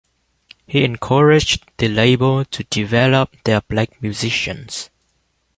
He encouraged the label to develop their black musicians.